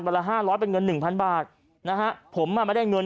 วันละ๕๐๐เป็นเงิน๑๐๐๐บาทนะฮะผมมาไม่ได้เงิน